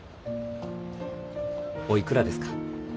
おいくらですか？